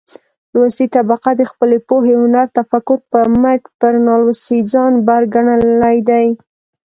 لوستې طبقه د خپلې پوهې، هنر ،تفکر په مټ پر نالوستې ځان بر ګنلى دى.